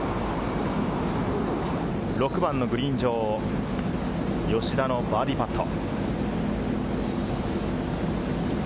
６番のグリーン上、吉田のバーディーパット。